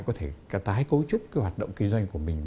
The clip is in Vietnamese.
có thể tái cấu trúc cái hoạt động kinh doanh của mình